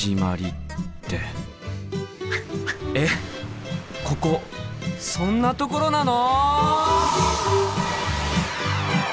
えっここそんなところなの！？